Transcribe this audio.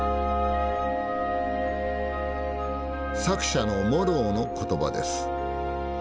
作者のモローの言葉です。